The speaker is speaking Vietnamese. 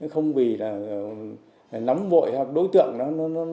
không vì là nắm vội hoặc đối tượng nó